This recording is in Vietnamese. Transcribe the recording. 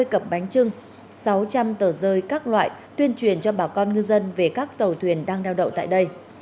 năm mươi cập bánh trưng sáu trăm linh tờ rơi các loại tuyên truyền cho bà con ngư dân về các tàu thuyền đang đao đậu tại đây